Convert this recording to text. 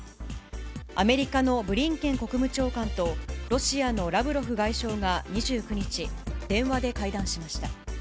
アメリカのブリンケン国務長官と、ロシアのラブロフ外相が２９日、電話で会談しました。